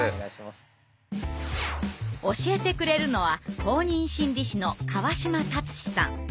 教えてくれるのは公認心理師の川島達史さん。